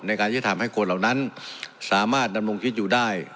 ในการที่จะทำให้คนเหล่านั้นสามารถดำรงคิดอยู่ได้